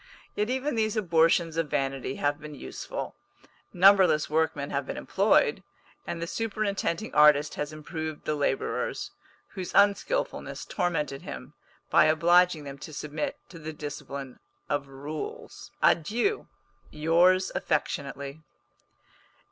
Yet even these abortions of vanity have been useful. Numberless workmen have been employed, and the superintending artist has improved the labourers, whose unskilfulness tormented him, by obliging them to submit to the discipline of rules. Adieu! Yours affectionately.